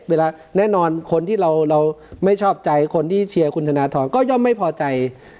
แน่นอนคนที่เราไม่ชอบใจคนที่เชียร์คุณธนทรก็ย่อมไม่พอใจ